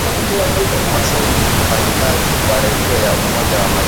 massoi ni mfanyakazi wa redio ya umoja wa mataifa